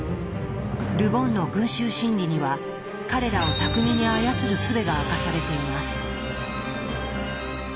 ル・ボンの「群衆心理」には彼らを巧みに操る術が明かされています。